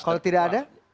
kalau tidak ada